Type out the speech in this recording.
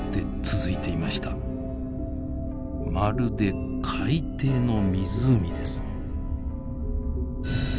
まるで海底の湖です。